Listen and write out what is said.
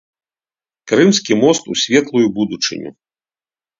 Крымскі мост у светлую будучыню!